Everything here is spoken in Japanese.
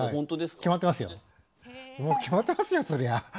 決まってますよ、そりゃ。